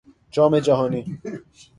جام جهانی